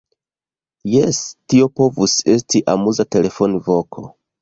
Jes, tio povus esti amuza telefonvoko!